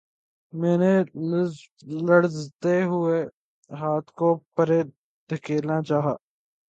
میں نے لرزتے ہوئے ہاتھ کو پرے دھکیلنا چاہا